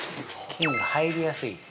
◆菌が入りやすい？